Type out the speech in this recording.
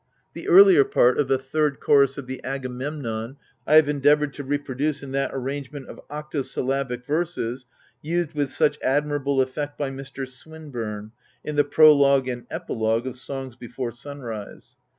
The earlier part of the third chorus of the Agamemnon I have endeavoured to reproduce in that arrangement of octosyllabic verses used with such admirable effect by Mr. Swinburne in the Prologue and Epilogue of "Songs before Simrise."